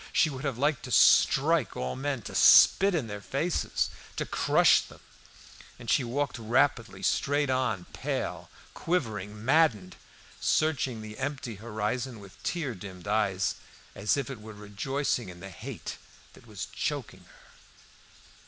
She would have liked to strike all men, to spit in their faces, to crush them, and she walked rapidly straight on, pale, quivering, maddened, searching the empty horizon with tear dimmed eyes, and as it were rejoicing in the hate that was choking her.